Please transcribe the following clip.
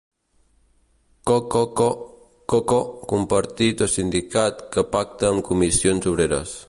Cococo: coco compartit o sindicat que pacta amb Comissions Obreres.